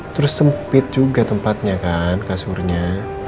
terus sempit juga tempatnya kan kasurnya